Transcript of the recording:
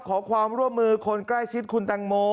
ขอความร่วมมือคนใกล้ชิดคุณตังโม